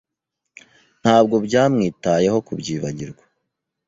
Ntabwo byamwitayeho kubyibagirwa.